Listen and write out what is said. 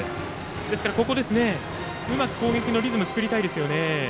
ですからここでうまく攻撃のリズムを作りたいですよね。